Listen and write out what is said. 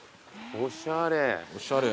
おしゃれ。